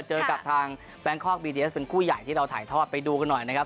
เจอกับทางแบงคอกบีดีเอสเป็นคู่ใหญ่ที่เราถ่ายทอดไปดูกันหน่อยนะครับ